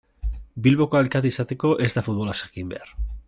Bilboko alkate izateko ez da futbolaz jakin behar.